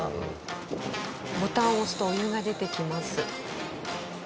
ボタンを押すとお湯が出てきます。